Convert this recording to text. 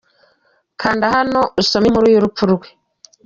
Kanda hano usome inkuru y’urupfu rwe.